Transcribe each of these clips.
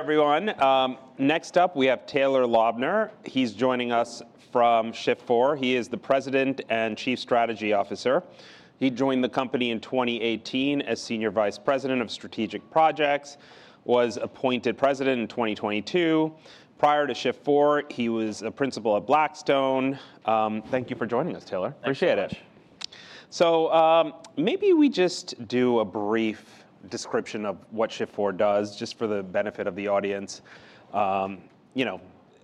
All right, thank you, everyone. Next up, we have Taylor Lauber. He is joining us from Shift4. He is the President and Chief Strategy Officer. He joined the company in 2018 as Senior Vice President of Strategic Projects, was appointed President in 2022. Prior to Shift4, he was a Principal at Blackstone. Thank you for joining us, Taylor. Appreciate it. So maybe we just do a brief description of what Shift4 does, just for the benefit of the audience.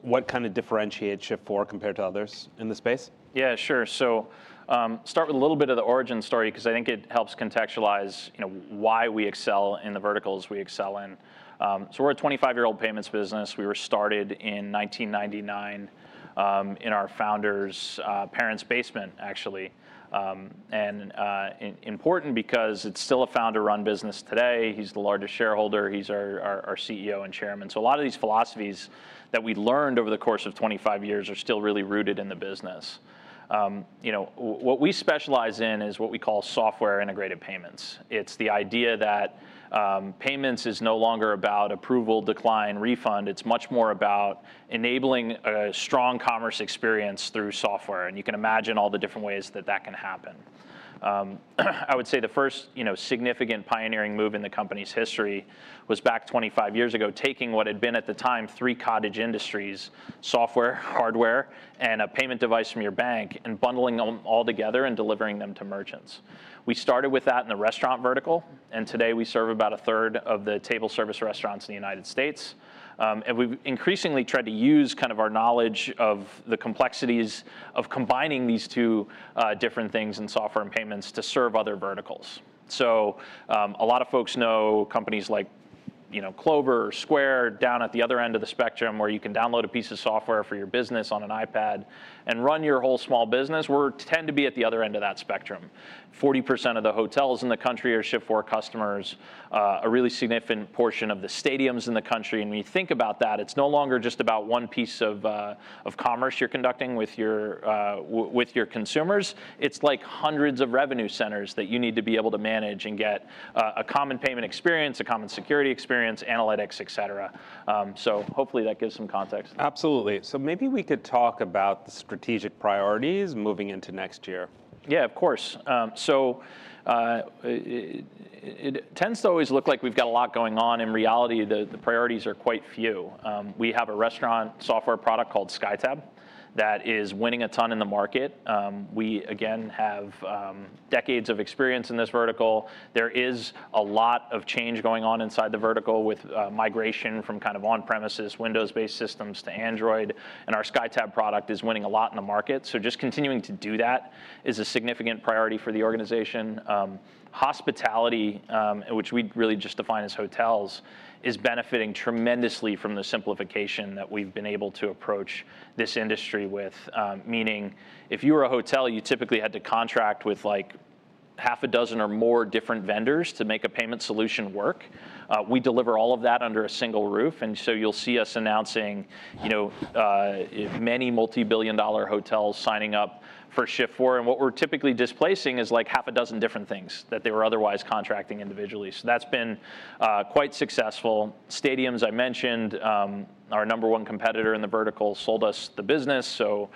What kind of differentiates Shift4 compared to others in the space? Yeah, sure. So start with a little bit of the origin story, because I think it helps contextualize why we excel in the verticals we excel in. So we're a 25-year-old payments business. We were started in 1999 in our founder's parents' basement, actually. And important because it's still a founder-run business today. He's the largest shareholder. He's our CEO and Chairman. So a lot of these philosophies that we learned over the course of 25 years are still really rooted in the business. What we specialize in is what we call software-integrated payments. It's the idea that payments is no longer about approval, decline, refund. It's much more about enabling a strong commerce experience through software. And you can imagine all the different ways that that can happen. I would say the first significant pioneering move in the company's history was back 25 years ago, taking what had been at the time three cottage industries: software, hardware, and a payment device from your bank, and bundling them all together and delivering them to merchants. We started with that in the restaurant vertical. And today, we serve about a third of the table service restaurants in the United States. And we've increasingly tried to use kind of our knowledge of the complexities of combining these two different things in software and payments to serve other verticals. So a lot of folks know companies like Clover, Square, down at the other end of the spectrum, where you can download a piece of software for your business on an iPad and run your whole small business. We tend to be at the other end of that spectrum. 40% of the hotels in the country are Shift4 customers, a really significant portion of the stadiums in the country, and when you think about that, it's no longer just about one piece of commerce you're conducting with your consumers. It's like hundreds of revenue centers that you need to be able to manage and get a common payment experience, a common security experience, analytics, et cetera, so hopefully, that gives some context. Absolutely. So maybe we could talk about the strategic priorities moving into next year. Yeah, of course. So it tends to always look like we've got a lot going on. In reality, the priorities are quite few. We have a restaurant software product called SkyTab that is winning a ton in the market. We, again, have decades of experience in this vertical. There is a lot of change going on inside the vertical with migration from kind of on-premises, Windows-based systems to Android. And our SkyTab product is winning a lot in the market. So just continuing to do that is a significant priority for the organization. Hospitality, which we really just define as hotels, is benefiting tremendously from the simplification that we've been able to approach this industry with. Meaning, if you were a hotel, you typically had to contract with like half a dozen or more different vendors to make a payment solution work. We deliver all of that under a single roof. And so you'll see us announcing many multi-billion-dollar hotels signing up for Shift4. And what we're typically displacing is like half a dozen different things that they were otherwise contracting individually. So that's been quite successful. Stadiums, I mentioned, our number one competitor in the vertical sold us the business. So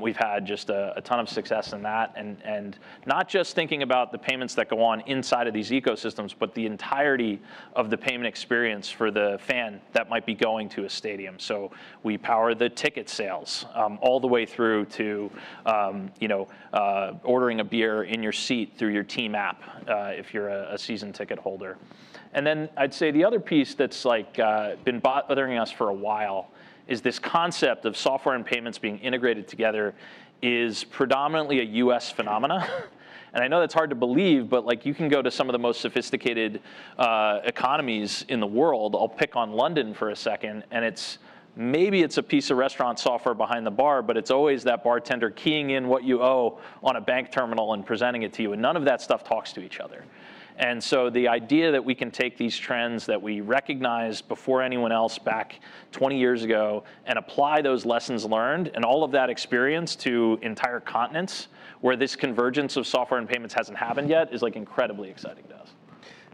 we've had just a ton of success in that. And not just thinking about the payments that go on inside of these ecosystems, but the entirety of the payment experience for the fan that might be going to a stadium. So we power the ticket sales all the way through to ordering a beer in your seat through your team app if you're a season ticket holder. And then I'd say the other piece that's been bothering us for a while is this concept of software and payments being integrated together is predominantly a U.S. phenomenon. And I know that's hard to believe, but you can go to some of the most sophisticated economies in the world. I'll pick on London for a second. And maybe it's a piece of restaurant software behind the bar, but it's always that bartender keying in what you owe on a bank terminal and presenting it to you. And none of that stuff talks to each other. And so the idea that we can take these trends that we recognized before anyone else back 20 years ago and apply those lessons learned and all of that experience to entire continents, where this convergence of software and payments hasn't happened yet, is like incredibly exciting to us.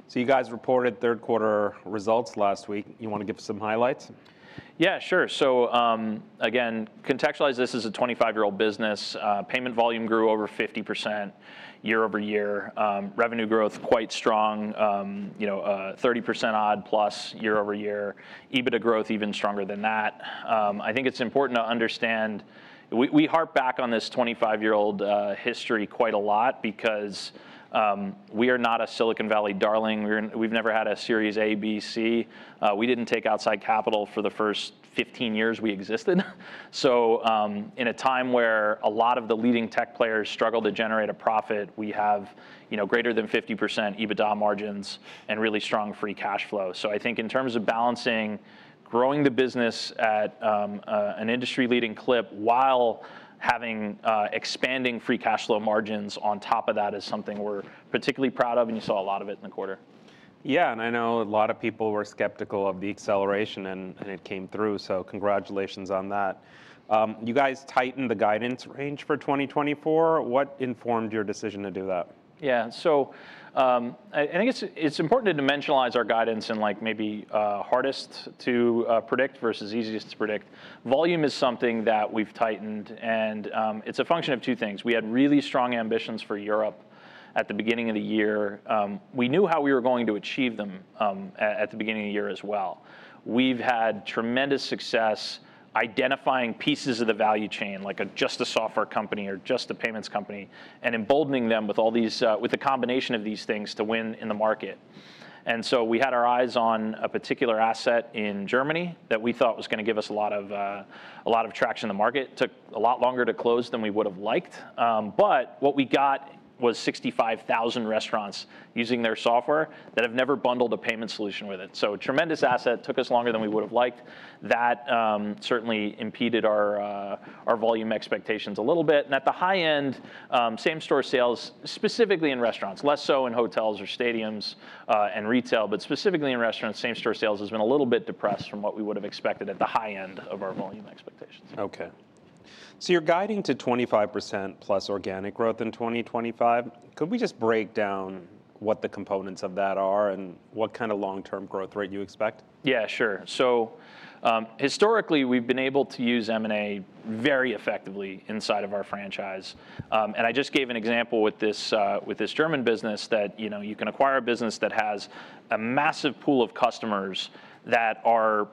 So you guys reported Q3 results last week. You want to give us some highlights? Yeah, sure. So again, contextualize this as a 25-year-old business. Payment volume grew over 50% year-over-year. Revenue growth quite strong, 30% odd plus-year-over year. EBITDA growth even stronger than that. I think it's important to understand we harp back on this 25-year-old history quite a lot because we are not a Silicon Valley darling. We've never had a Series A, B, C. We didn't take outside capital for the first 15 years we existed. So in a time where a lot of the leading tech players struggle to generate a profit, we have greater than 50% EBITDA margins and really strong free cash flow. So I think in terms of balancing growing the business at an industry-leading clip while having expanding free cash flow margins on top of that is something we're particularly proud of, and you saw a lot of it in the quarter. Yeah, and I know a lot of people were skeptical of the acceleration, and it came through. So congratulations on that. You guys tightened the guidance range for 2024. What informed your decision to do that? Yeah, so I guess it's important to dimensionalize our guidance in maybe hardest to predict versus easiest to predict. Volume is something that we've tightened, and it's a function of two things. We had really strong ambitions for Europe at the beginning of the year. We knew how we were going to achieve them at the beginning of the year as well. We've had tremendous success identifying pieces of the value chain, like just a software company or just a payments company, and emboldening them with the combination of these things to win in the market, and so we had our eyes on a particular asset in Germany that we thought was going to give us a lot of traction in the market. It took a lot longer to close than we would have liked. But what we got was 65,000 restaurants using their software that have never bundled a payment solution with it. So tremendous asset, took us longer than we would have liked. That certainly impeded our volume expectations a little bit. And at the high end, same-store sales, specifically in restaurants, less so in hotels or stadiums and retail, but specifically in restaurants, same-store sales has been a little bit depressed from what we would have expected at the high end of our volume expectations. OK. So you're guiding to 25% plus organic growth in 2025. Could we just break down what the components of that are and what kind of long-term growth rate you expect? Yeah, sure. So historically, we've been able to use M&A very effectively inside of our franchise, and I just gave an example with this German business that you can acquire a business that has a massive pool of customers that are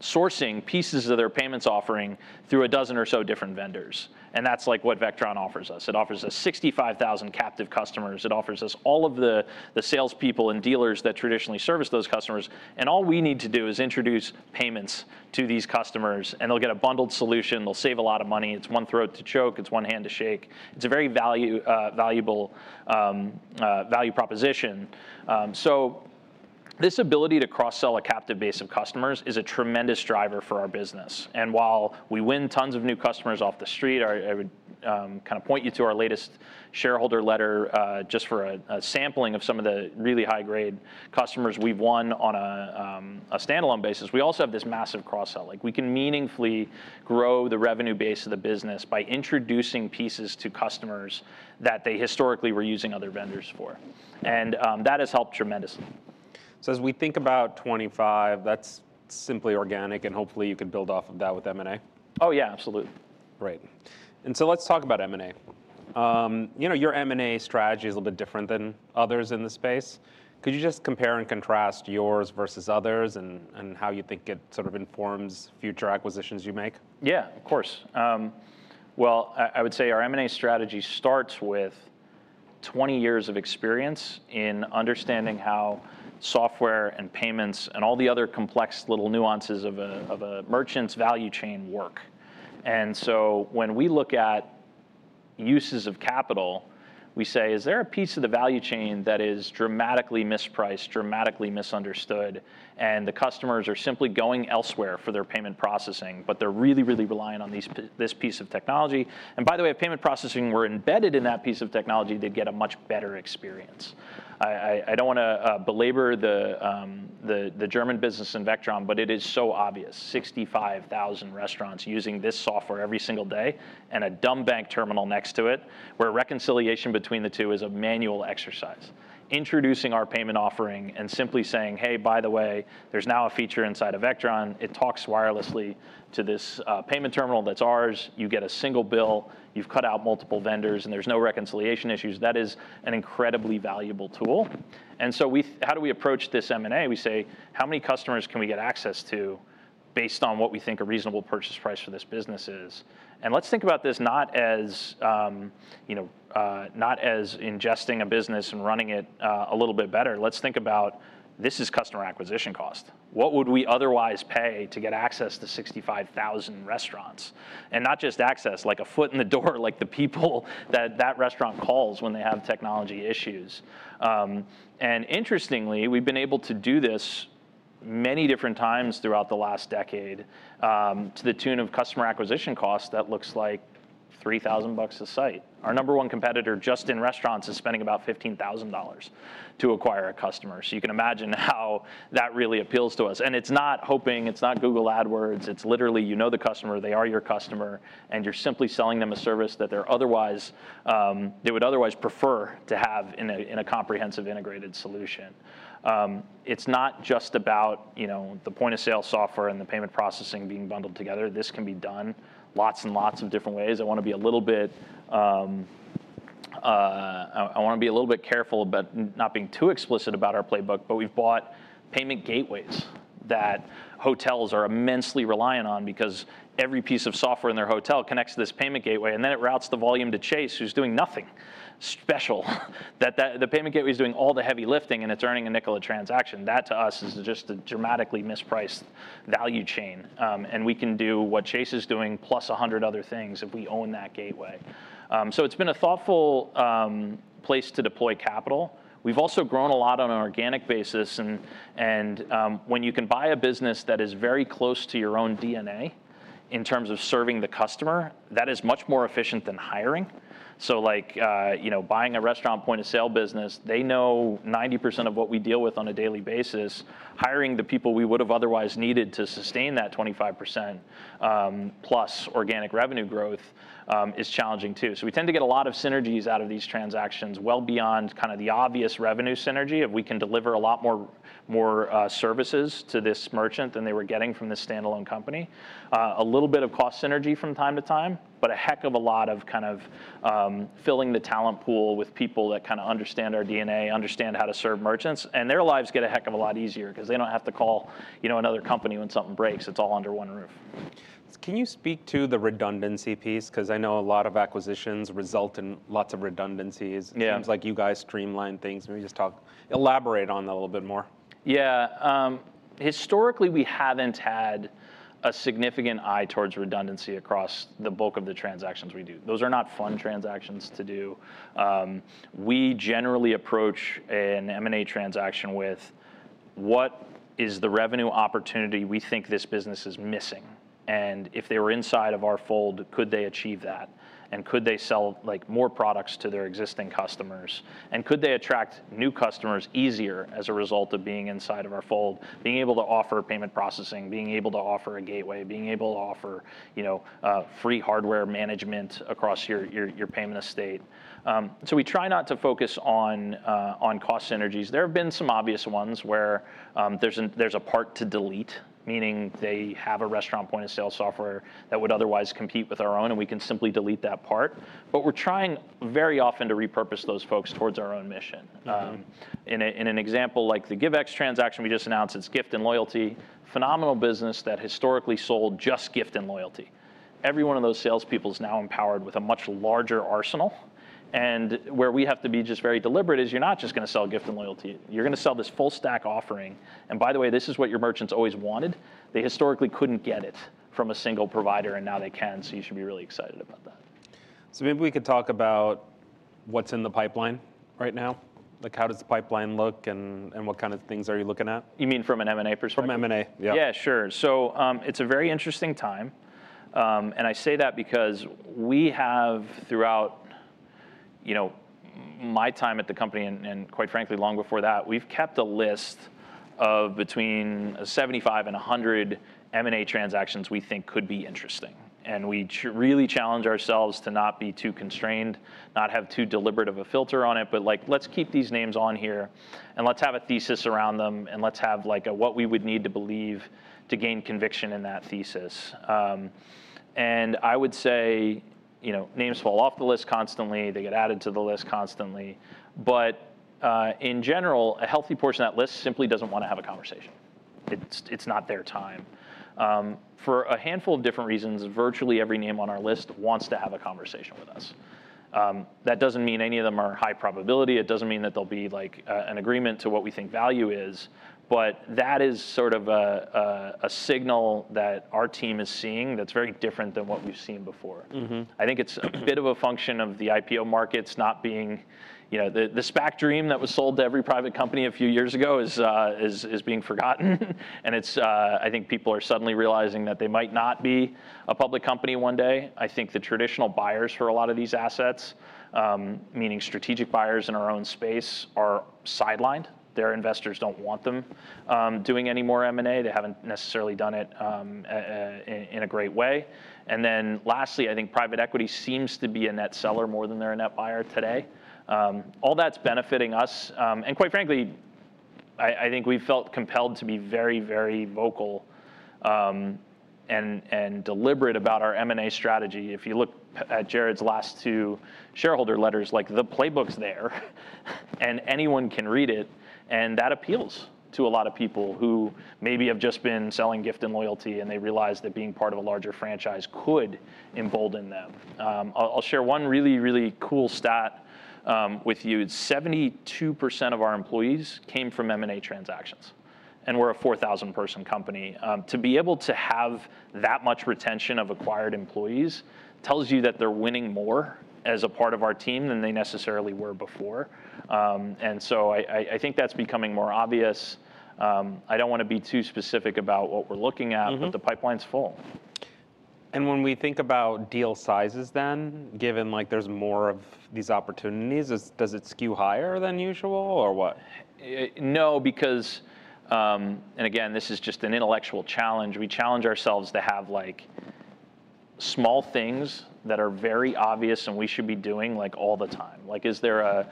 sourcing pieces of their payments offering through a dozen or so different vendors, and that's like what Vectron offers us. It offers us 65,000 captive customers. It offers us all of the salespeople and dealers that traditionally service those customers, and all we need to do is introduce payments to these customers, and they'll get a bundled solution. They'll save a lot of money. It's one throat to choke. It's one hand to shake. It's a very valuable value proposition, so this ability to cross-sell a captive base of customers is a tremendous driver for our business. While we win tons of new customers off the street, I would kind of point you to our latest shareholder letter just for a sampling of some of the really high-grade customers we've won on a standalone basis. We also have this massive cross-sell. We can meaningfully grow the revenue base of the business by introducing pieces to customers that they historically were using other vendors for. That has helped tremendously. So as we think about 2025, that's simply organic. And hopefully, you can build off of that with M&A. Oh, yeah, absolutely. Great, and so let's talk about M&A. Your M&A strategy is a little bit different than others in the space. Could you just compare and contrast yours versus others and how you think it sort of informs future acquisitions you make? Yeah, of course. Well, I would say our M&A strategy starts with 20 years of experience in understanding how software and payments and all the other complex little nuances of a merchant's value chain work. And so when we look at uses of capital, we say, is there a piece of the value chain that is dramatically mispriced, dramatically misunderstood, and the customers are simply going elsewhere for their payment processing, but they're really, really relying on this piece of technology? And by the way, payment processing, we're embedded in that piece of technology to get a much better experience. I don't want to belabor the German business in Vectron, but it is so obvious: 65,000 restaurants using this software every single day and a dumb bank terminal next to it, where reconciliation between the two is a manual exercise. Introducing our payment offering and simply saying, hey, by the way, there's now a feature inside of Vectron. It talks wirelessly to this payment terminal that's ours. You get a single bill. You've cut out multiple vendors, and there's no reconciliation issues. That is an incredibly valuable tool. And so how do we approach this M&A? We say, how many customers can we get access to based on what we think a reasonable purchase price for this business is? And let's think about this not as ingesting a business and running it a little bit better. Let's think about this as customer acquisition cost. What would we otherwise pay to get access to 65,000 restaurants? And not just access, like a foot in the door, like the people that the restaurant calls when they have technology issues. Interestingly, we've been able to do this many different times throughout the last decade to the tune of customer acquisition cost that looks like $3,000 a site. Our number one competitor, Toast, is spending about $15,000 to acquire a customer. You can imagine how that really appeals to us. It's not cold calling. It's not Google AdWords. It's literally, you know the customer. They are your customer. You're simply selling them a service that they would otherwise prefer to have in a comprehensive integrated solution. It's not just about the point-of-sale software and the payment processing being bundled together. This can be done lots and lots of different ways. I want to be a little bit careful about not being too explicit about our playbook. But we've bought payment gateways that hotels are immensely reliant on because every piece of software in their hotel connects to this payment gateway. And then it routes the volume to Chase, who's doing nothing special. The payment gateway is doing all the heavy lifting, and it's earning a nickel a transaction. That, to us, is just a dramatically mispriced value chain. And we can do what Chase is doing plus 100 other things if we own that gateway. So it's been a thoughtful place to deploy capital. We've also grown a lot on an organic basis. And when you can buy a business that is very close to your own DNA in terms of serving the customer, that is much more efficient than hiring. So like buying a restaurant point-of-sale business, they know 90% of what we deal with on a daily basis. Hiring the people we would have otherwise needed to sustain that 25% plus organic revenue growth is challenging, too. So we tend to get a lot of synergies out of these transactions well beyond kind of the obvious revenue synergy. We can deliver a lot more services to this merchant than they were getting from this standalone company. A little bit of cost synergy from time to time, but a heck of a lot of kind of filling the talent pool with people that kind of understand our DNA, understand how to serve merchants, and their lives get a heck of a lot easier because they don't have to call another company when something breaks. It's all under one roof. Can you speak to the redundancy piece? Because I know a lot of acquisitions result in lots of redundancies. It seems like you guys streamline things. Maybe just talk, elaborate on that a little bit more. Yeah. Historically, we haven't had a significant eye towards redundancy across the bulk of the transactions we do. Those are not fun transactions to do. We generally approach an M&A transaction with what is the revenue opportunity we think this business is missing. And if they were inside of our fold, could they achieve that? And could they sell more products to their existing customers? And could they attract new customers easier as a result of being inside of our fold, being able to offer payment processing, being able to offer a gateway, being able to offer free hardware management across your payment estate? So we try not to focus on cost synergies. There have been some obvious ones where there's a part to delete, meaning they have a restaurant point-of-sale software that would otherwise compete with our own, and we can simply delete that part. But we're trying very often to repurpose those folks towards our own mission. In an example like the Givex transaction we just announced, it's gift and loyalty, a phenomenal business that historically sold just gift and loyalty. Every one of those salespeople is now empowered with a much larger arsenal. And where we have to be just very deliberate is you're not just going to sell gift and loyalty. You're going to sell this full-stack offering. And by the way, this is what your merchants always wanted. They historically couldn't get it from a single provider, and now they can. So you should be really excited about that. So maybe we could talk about what's in the pipeline right now? Like how does the pipeline look and what kind of things are you looking at? You mean from an M&A perspective? From an M&A, yeah. Yeah, sure. So it's a very interesting time. And I say that because we have, throughout my time at the company and quite frankly, long before that, we've kept a list of between 75 and 100 M&A transactions we think could be interesting. And we really challenge ourselves to not be too constrained, not have too deliberate of a filter on it. But let's keep these names on here, and let's have a thesis around them, and let's have what we would need to believe to gain conviction in that thesis. And I would say names fall off the list constantly. They get added to the list constantly. But in general, a healthy portion of that list simply doesn't want to have a conversation. It's not their time. For a handful of different reasons, virtually every name on our list wants to have a conversation with us. That doesn't mean any of them are high probability. It doesn't mean that there'll be an agreement to what we think value is. But that is sort of a signal that our team is seeing that's very different than what we've seen before. I think it's a bit of a function of the IPO markets not being the SPAC dream that was sold to every private company a few years ago, is being forgotten. And I think people are suddenly realizing that they might not be a public company one day. I think the traditional buyers for a lot of these assets, meaning strategic buyers in our own space, are sidelined. Their investors don't want them doing any more M&A. They haven't necessarily done it in a great way. And then lastly, I think private equity seems to be a net seller more than they're a net buyer today. All that's benefiting us, and quite frankly, I think we've felt compelled to be very, very vocal and deliberate about our M&A strategy. If you look at Jared's last two shareholder letters, like the playbook's there, and anyone can read it, and that appeals to a lot of people who maybe have just been selling gift and loyalty, and they realize that being part of a larger franchise could embolden them. I'll share one really, really cool stat with you. 72% of our employees came from M&A transactions, and we're a 4,000-person company. To be able to have that much retention of acquired employees tells you that they're winning more as a part of our team than they necessarily were before, and so I think that's becoming more obvious. I don't want to be too specific about what we're looking at, but the pipeline's full. When we think about deal sizes then, given there's more of these opportunities, does it skew higher than usual or what? No, because and again, this is just an intellectual challenge. We challenge ourselves to have small things that are very obvious and we should be doing all the time. Like, is there a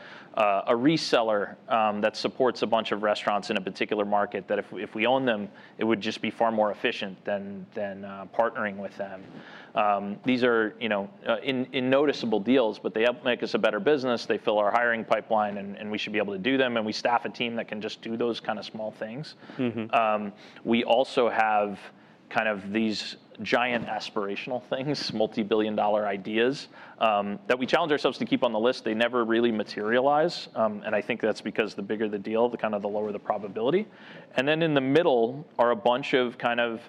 reseller that supports a bunch of restaurants in a particular market that if we own them, it would just be far more efficient than partnering with them? These are in noticeable deals, but they make us a better business. They fill our hiring pipeline, and we should be able to do them, and we staff a team that can just do those kind of small things. We also have kind of these giant aspirational things, multi-billion dollar ideas that we challenge ourselves to keep on the list. They never really materialize, and I think that's because the bigger the deal, the kind of lower the probability. And then in the middle are a bunch of kind of,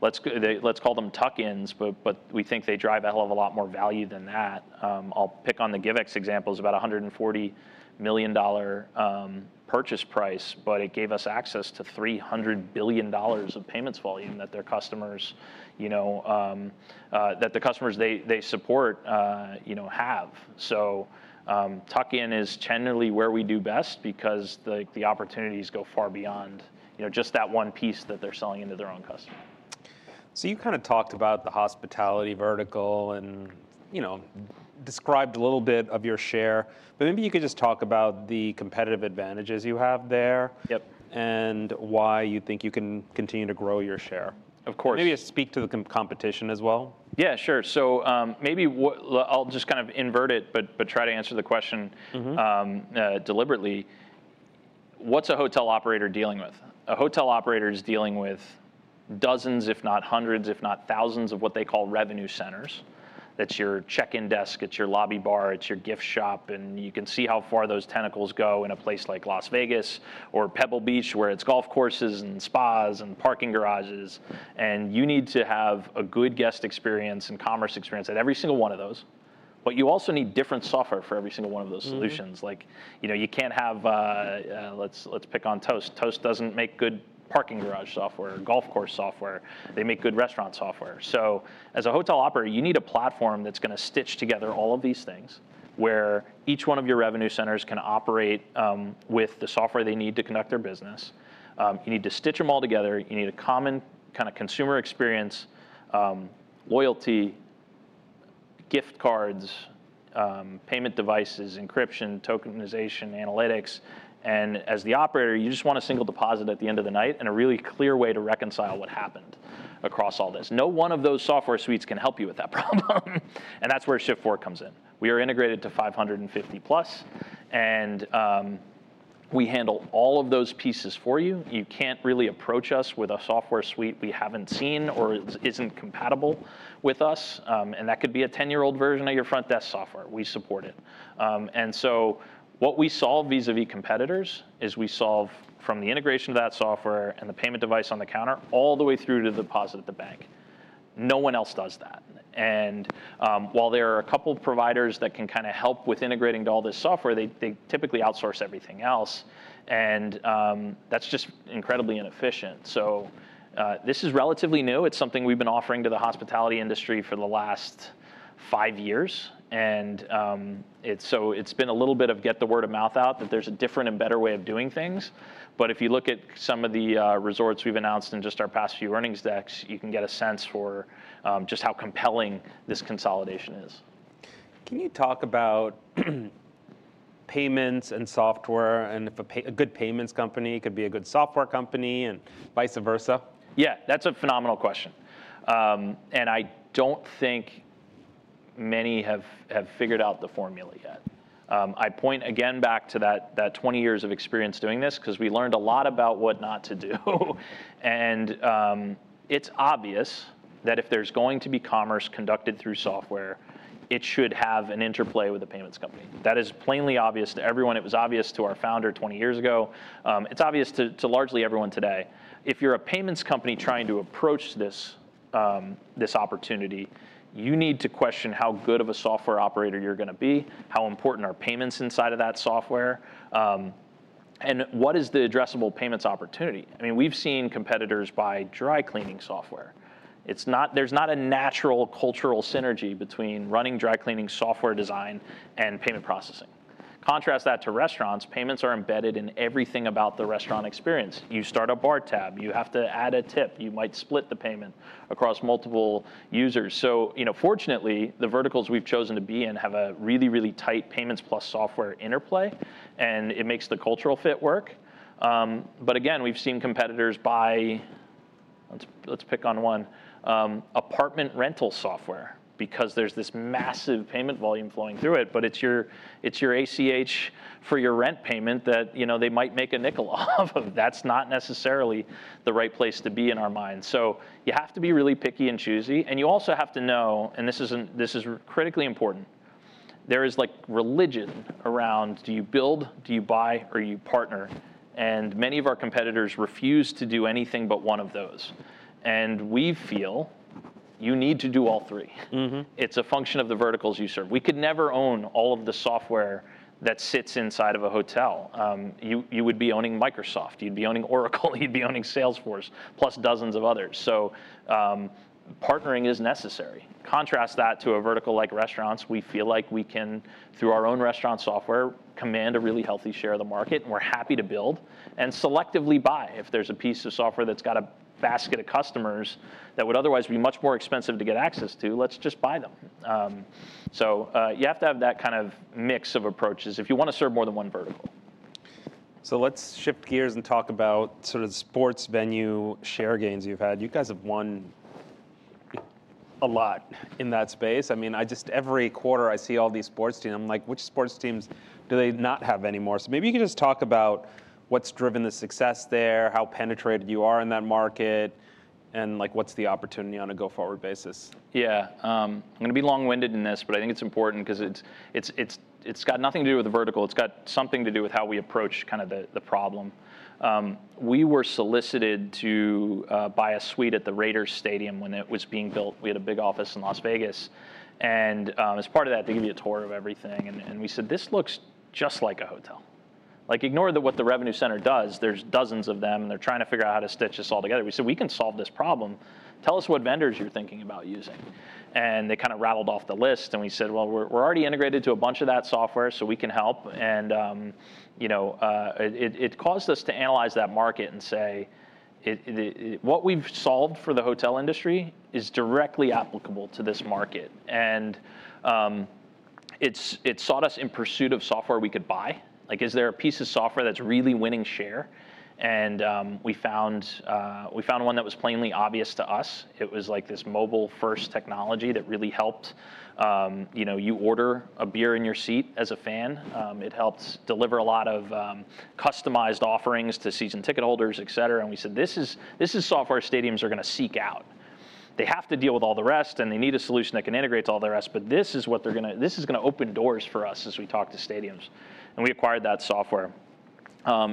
let's call them tuck-ins, but we think they drive a hell of a lot more value than that. I'll pick on the Givex examples, about $140 million purchase price, but it gave us access to $300 billion of payments volume that the customers they support have. So tuck-in is generally where we do best because the opportunities go far beyond just that one piece that they're selling into their own customer. You kind of talked about the hospitality vertical and described a little bit of your share. Maybe you could just talk about the competitive advantages you have there and why you think you can continue to grow your share. Of course. Maybe speak to the competition as well. Yeah, sure. So maybe I'll just kind of invert it, but try to answer the question deliberately. What's a hotel operator dealing with? A hotel operator is dealing with dozens, if not hundreds, if not thousands of what they call revenue centers. That's your check-in desk. It's your lobby bar. It's your gift shop. And you can see how far those tentacles go in a place like Las Vegas or Pebble Beach, where it's golf courses and spas and parking garages. And you need to have a good guest experience and commerce experience at every single one of those. But you also need different software for every single one of those solutions. Like you can't have. Let's pick on Toast. Toast doesn't make good parking garage software or golf course software. They make good restaurant software. So as a hotel operator, you need a platform that's going to stitch together all of these things where each one of your revenue centers can operate with the software they need to conduct their business. You need to stitch them all together. You need a common kind of consumer experience, loyalty, gift cards, payment devices, encryption, tokenization, analytics. And as the operator, you just want a single deposit at the end of the night and a really clear way to reconcile what happened across all this. No one of those software suites can help you with that problem. And that's where Shift4 comes in. We are integrated to 550 plus. And we handle all of those pieces for you. You can't really approach us with a software suite we haven't seen or isn't compatible with us. And that could be a 10-year-old version of your front desk software. We support it, and so what we solve vis-à-vis competitors is we solve from the integration of that software and the payment device on the counter all the way through to the deposit at the bank. No one else does that, and while there are a couple of providers that can kind of help with integrating to all this software, they typically outsource everything else, and that's just incredibly inefficient, so this is relatively new. It's something we've been offering to the hospitality industry for the last five years, and so it's been a little bit to get the word of mouth out that there's a different and better way of doing things, but if you look at some of the resorts we've announced in just our past few earnings decks, you can get a sense for just how compelling this consolidation is. Can you talk about payments and software and if a good payments company could be a good software company and vice versa? Yeah, that's a phenomenal question. And I don't think many have figured out the formula yet. I point again back to that 20 years of experience doing this because we learned a lot about what not to do. And it's obvious that if there's going to be commerce conducted through software, it should have an interplay with the payments company. That is plainly obvious to everyone. It was obvious to our founder 20 years ago. It's obvious to largely everyone today. If you're a payments company trying to approach this opportunity, you need to question how good of a software operator you're going to be, how important are payments inside of that software, and what is the addressable payments opportunity. I mean, we've seen competitors buy dry cleaning software. There's not a natural Cultural Synergy between running dry cleaning software design and payment processing. Contrast that to restaurants. Payments are embedded in everything about the restaurant experience. You start a bar tab. You have to add a tip. You might split the payment across multiple users. So fortunately, the verticals we've chosen to be in have a really, really tight payments plus software interplay. And it makes the cultural fit work. But again, we've seen competitors buy, let's pick on one, apartment rental software because there's this massive payment volume flowing through it. But it's your ACH for your rent payment that they might make a nickel off of. That's not necessarily the right place to be in our mind. So you have to be really picky and choosy. And you also have to know, and this is critically important, there is religion around do you build, do you buy, or do you partner. And many of our competitors refuse to do anything but one of those. And we feel you need to do all three. It's a function of the verticals you serve. We could never own all of the software that sits inside of a hotel. You would be owning Microsoft. You'd be owning Oracle. You'd be owning Salesforce plus dozens of others. So partnering is necessary. Contrast that to a vertical like restaurants. We feel like we can, through our own restaurant software, command a really healthy share of the market. And we're happy to build and selectively buy. If there's a piece of software that's got a basket of customers that would otherwise be much more expensive to get access to, let's just buy them. So you have to have that kind of mix of approaches if you want to serve more than one vertical. So let's shift gears and talk about sort of sports venue share gains you've had. You guys have won a lot in that space. I mean, just every quarter I see all these sports teams. I'm like, which sports teams do they not have anymore? So maybe you could just talk about what's driven the success there, how penetrated you are in that market, and what's the opportunity on a go-forward basis. Yeah. I'm going to be long-winded in this, but I think it's important because it's got nothing to do with the vertical. It's got something to do with how we approach kind of the problem. We were solicited to buy a suite at the Raiders Stadium when it was being built. We had a big office in Las Vegas. And as part of that, they give you a tour of everything. And we said, this looks just like a hotel. Like ignore what the revenue center does. There's dozens of them. And they're trying to figure out how to stitch this all together. We said, we can solve this problem. Tell us what vendors you're thinking about using. And they kind of rattled off the list. And we said, well, we're already integrated to a bunch of that software, so we can help. And it caused us to analyze that market and say, what we've solved for the hotel industry is directly applicable to this market. And it set us in pursuit of software we could buy. Like is there a piece of software that's really winning share? And we found one that was plainly obvious to us. It was like this mobile-first technology that really helped you order a beer in your seat as a fan. It helped deliver a lot of customized offerings to season ticket holders, et cetera. And we said, this is software stadiums are going to seek out. They have to deal with all the rest. And they need a solution that can integrate all the rest. But this is going to open doors for us as we talk to stadiums. And we acquired that software.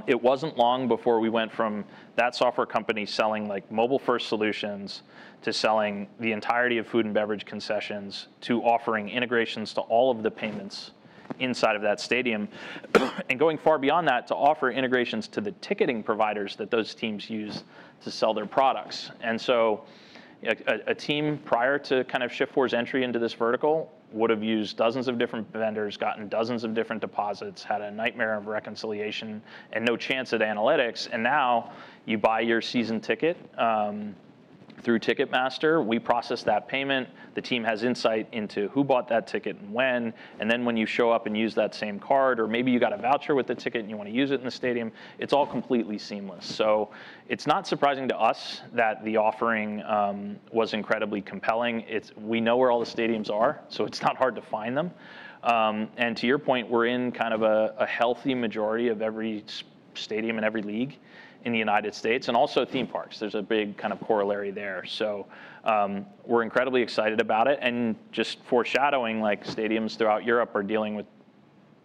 It wasn't long before we went from that software company selling mobile-first solutions to selling the entirety of food and beverage concessions to offering integrations to all of the payments inside of that stadium and going far beyond that to offer integrations to the ticketing providers that those teams use to sell their products. And so a team prior to kind of Shift4's entry into this vertical would have used dozens of different vendors, gotten dozens of different deposits, had a nightmare of reconciliation and no chance at analytics. And now you buy your season ticket through Ticketmaster. We process that payment. The team has insight into who bought that ticket and when. And then when you show up and use that same card, or maybe you got a voucher with the ticket and you want to use it in the stadium, it's all completely seamless. So it's not surprising to us that the offering was incredibly compelling. We know where all the stadiums are, so it's not hard to find them. And to your point, we're in kind of a healthy majority of every stadium in every league in the United States and also theme parks. There's a big kind of corollary there. So we're incredibly excited about it. And just foreshadowing, stadiums throughout Europe are dealing with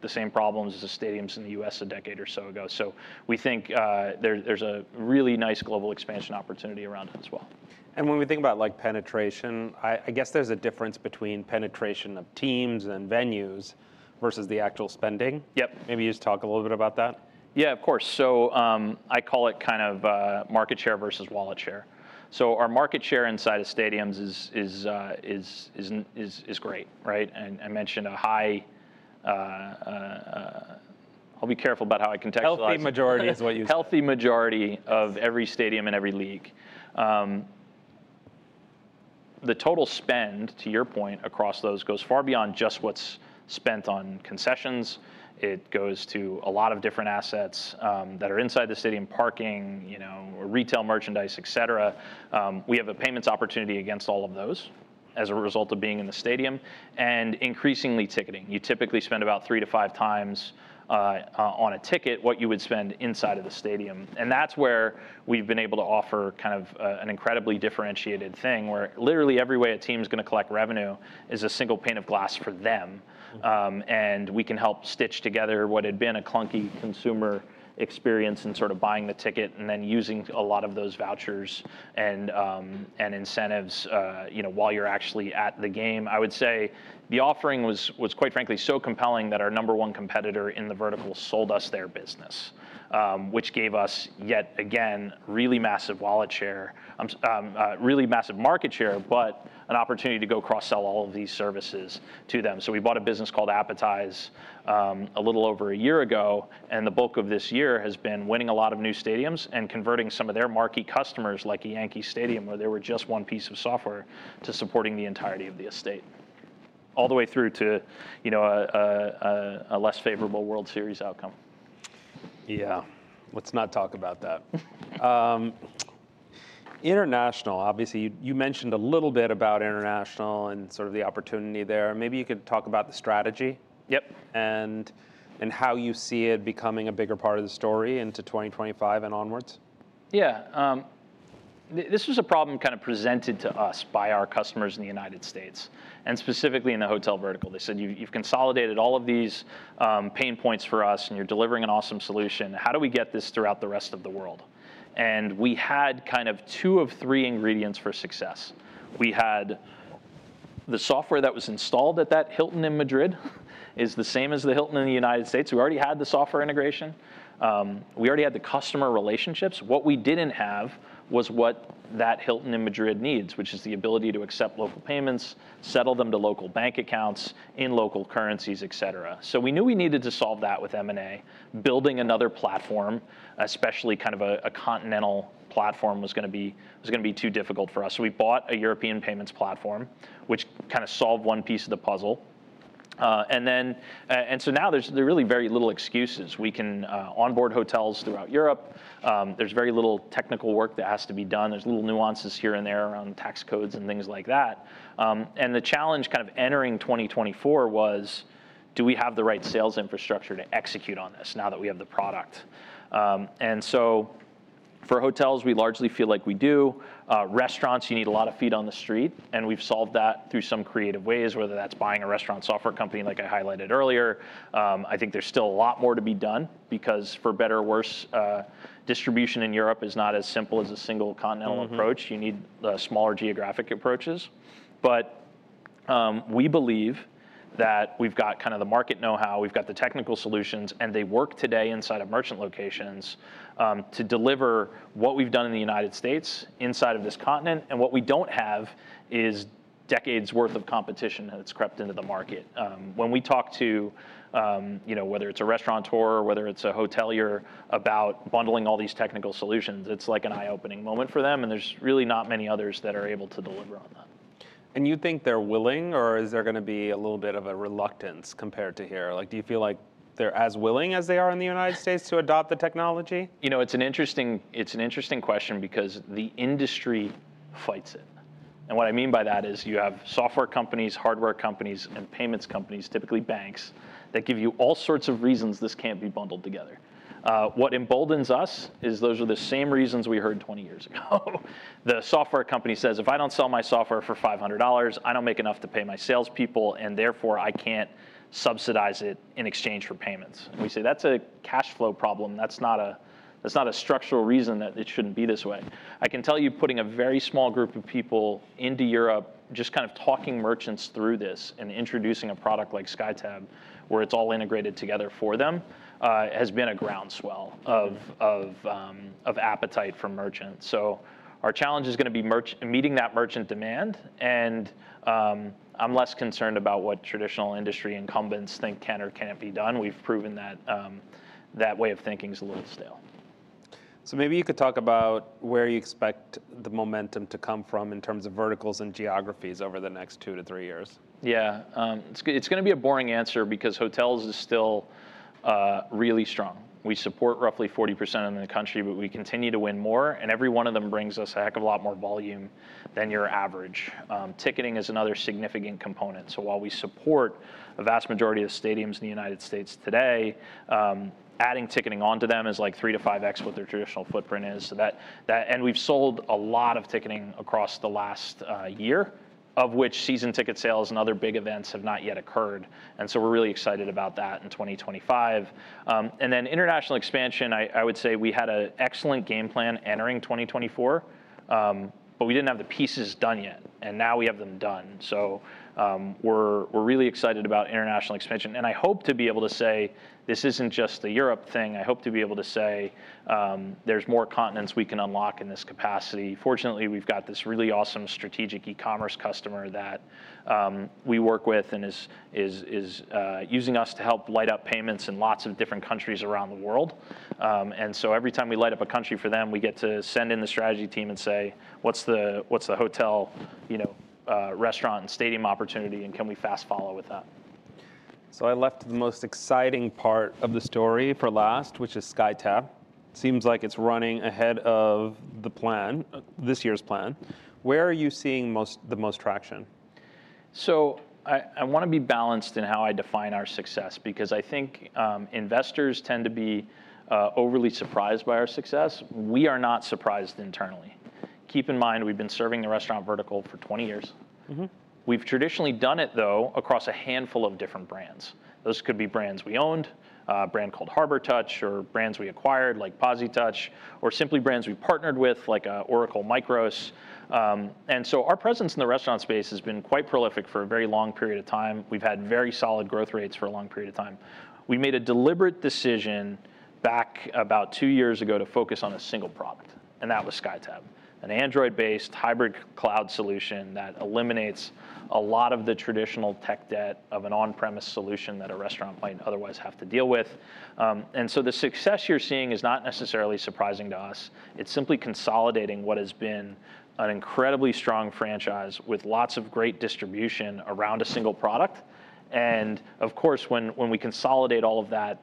the same problems as the stadiums in the U.S. a decade or so ago. So we think there's a really nice global expansion opportunity around it as well. When we think about penetration, I guess there's a difference between penetration of teams and venues versus the actual spending. Yep. Maybe you just talk a little bit about that. Yeah, of course. So I call it kind of market share versus wallet share. So our market share inside of stadiums is great. And I mentioned a high--I'll be careful about how I contextualize it. Healthy majority is what you said. Healthy majority of every stadium in every league. The total spend, to your point, across those goes far beyond just what's spent on concessions. It goes to a lot of different assets that are inside the stadium: parking, retail merchandise, et cetera. We have a payments opportunity against all of those as a result of being in the stadium and increasingly ticketing. You typically spend about three to five times on a ticket what you would spend inside of the stadium. And that's where we've been able to offer kind of an incredibly differentiated thing where literally every way a team is going to collect revenue is a single pane of glass for them. And we can help stitch together what had been a clunky consumer experience in sort of buying the ticket and then using a lot of those vouchers and incentives while you're actually at the game. I would say the offering was, quite frankly, so compelling that our number one competitor in the vertical sold us their business, which gave us yet again really massive market share, but an opportunity to go cross-sell all of these services to them. So we bought a business called Appetize a little over a year ago. And the bulk of this year has been winning a lot of new stadiums and converting some of their marquee customers like a Yankee Stadium, where they were just one piece of software, to supporting the entirety of the estate all the way through to a less favorable World Series outcome. Yeah. Let's not talk about that. International, obviously, you mentioned a little bit about international and sort of the opportunity there. Maybe you could talk about the strategy and how you see it becoming a bigger part of the story into 2025 and onwards. Yeah. This was a problem kind of presented to us by our customers in the United States and specifically in the hotel vertical. They said, you've consolidated all of these pain points for us. And you're delivering an awesome solution. How do we get this throughout the rest of the world? And we had kind of two of three ingredients for success. We had the software that was installed at that Hilton in Madrid is the same as the Hilton in the United States. We already had the software integration. We already had the customer relationships. What we didn't have was what that Hilton in Madrid needs, which is the ability to accept local payments, settle them to local bank accounts in local currencies, et cetera. So we knew we needed to solve that with M&A. Building another platform, especially kind of a continental platform, was going to be too difficult for us. So we bought a European payments platform, which kind of solved one piece of the puzzle. And so now there's really very little excuses. We can onboard hotels throughout Europe. There's very little technical work that has to be done. There's little nuances here and there around tax codes and things like that. And the challenge kind of entering 2024 was, do we have the right sales infrastructure to execute on this now that we have the product? And so for hotels, we largely feel like we do. Restaurants, you need a lot of feet on the street. And we've solved that through some creative ways, whether that's buying a restaurant software company like I highlighted earlier. I think there's still a lot more to be done because for better or worse, distribution in Europe is not as simple as a single continental approach. You need smaller geographic approaches. But we believe that we've got kind of the market know-how. We've got the technical solutions. And they work today inside of merchant locations to deliver what we've done in the United States inside of this continent. And what we don't have is decades' worth of competition that's crept into the market. When we talk to whether it's a restaurateur or whether it's a hotelier about bundling all these technical solutions, it's like an eye-opening moment for them. And there's really not many others that are able to deliver on that. You think they're willing? Or is there going to be a little bit of a reluctance compared to here? Do you feel like they're as willing as they are in the United States to adopt the technology? It's an interesting question because the industry fights it. And what I mean by that is you have software companies, hardware companies, and payments companies, typically banks, that give you all sorts of reasons this can't be bundled together. What emboldens us is those are the same reasons we heard 20 years ago. The software company says, if I don't sell my software for $500, I don't make enough to pay my salespeople. And therefore, I can't subsidize it in exchange for payments. And we say, that's a cash flow problem. That's not a structural reason that it shouldn't be this way. I can tell you putting a very small group of people into Europe, just kind of talking merchants through this and introducing a product like SkyTab, where it's all integrated together for them, has been a groundswell of appetite for merchants. Our challenge is going to be meeting that merchant demand. And I'm less concerned about what traditional industry incumbents think can or can't be done. We've proven that that way of thinking is a little stale. So maybe you could talk about where you expect the momentum to come from in terms of verticals and geographies over the next two to three years? Yeah. It's going to be a boring answer because hotels are still really strong. We support roughly 40% of the country. But we continue to win more. And every one of them brings us a heck of a lot more volume than your average. Ticketing is another significant component. So while we support a vast majority of stadiums in the United States today, adding ticketing onto them is like three to five X what their traditional footprint is. And we've sold a lot of ticketing across the last year, of which season ticket sales and other big events have not yet occurred. And so we're really excited about that in 2025. And then international expansion, I would say we had an excellent game plan entering 2024. But we didn't have the pieces done yet. And now we have them done. So we're really excited about international expansion. And I hope to be able to say this isn't just the Europe thing. I hope to be able to say there's more continents we can unlock in this capacity. Fortunately, we've got this really awesome strategic e-commerce customer that we work with and is using us to help light up payments in lots of different countries around the world. And so every time we light up a country for them, we get to send in the strategy team and say, what's the hotel, restaurant, and stadium opportunity? And can we fast follow with that? So I left the most exciting part of the story for last, which is SkyTab. Seems like it's running ahead of the plan, this year's plan. Where are you seeing the most traction? I want to be balanced in how I define our success because I think investors tend to be overly surprised by our success. We are not surprised internally. Keep in mind, we've been serving the restaurant vertical for 20 years. We've traditionally done it, though, across a handful of different brands. Those could be brands we owned, a brand called Harbortouch, or brands we acquired like POSitouch, or simply brands we partnered with like Oracle MICROS. And so our presence in the restaurant space has been quite prolific for a very long period of time. We've had very solid growth rates for a long period of time. We made a deliberate decision back about two years ago to focus on a single product. And that was SkyTab, an Android-based hybrid cloud solution that eliminates a lot of the traditional tech debt of an on-premise solution that a restaurant might otherwise have to deal with. And so the success you're seeing is not necessarily surprising to us. It's simply consolidating what has been an incredibly strong franchise with lots of great distribution around a single product. And of course, when we consolidate all of that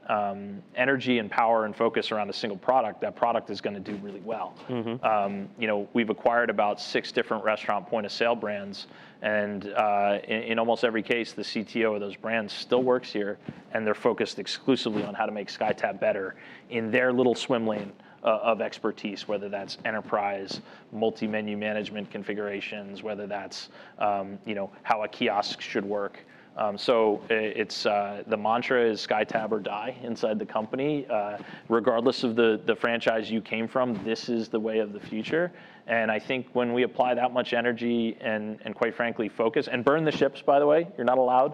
energy and power and focus around a single product, that product is going to do really well. We've acquired about six different restaurant point of sale brands. And in almost every case, the CTO of those brands still works here. And they're focused exclusively on how to make SkyTab better in their little Swimlane of expertise, whether that's enterprise, multi-menu management configurations, whether that's how a kiosk should work. So the mantra is SkyTab or die inside the company. Regardless of the franchise you came from, this is the way of the future. And I think when we apply that much energy and, quite frankly, focus and burn the ships, by the way, you're not allowed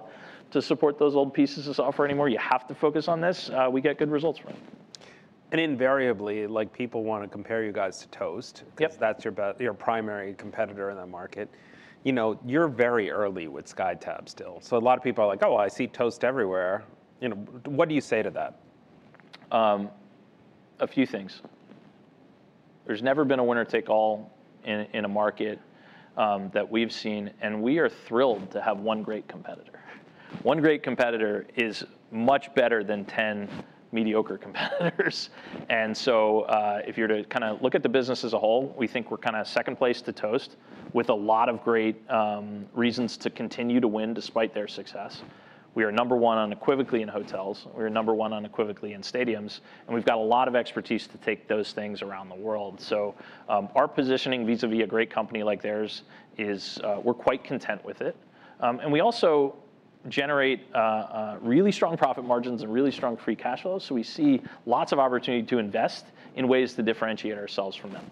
to support those old pieces of software anymore. You have to focus on this. We get good results from it. Invariably, people want to compare you guys to Toast because that's your primary competitor in the market. You're very early with SkyTab still. So a lot of people are like, oh, I see Toast everywhere. What do you say to that? A few things. There's never been a winner take all in a market that we've seen, and we are thrilled to have one great competitor. One great competitor is much better than 10 mediocre competitors, and so if you're to kind of look at the business as a whole, we think we're kind of second place to Toast with a lot of great reasons to continue to win despite their success. We are number one unequivocally in hotels. We are number one unequivocally in stadiums, and we've got a lot of expertise to take those things around the world. So our positioning vis-à-vis a great company like theirs is we're quite content with it, and we also generate really strong profit margins and really strong free cash flows. So we see lots of opportunity to invest in ways to differentiate ourselves from them.